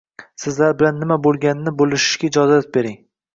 Siz bilan nima bo'lganini bo'lishishga ijozat bering